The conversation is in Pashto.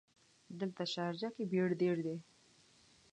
دلته شارجه ګې بیړ ډېر ده.